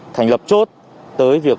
thành lập chốt tới việc